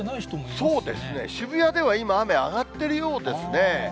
そうですね、渋谷では今、雨上がっているようですね。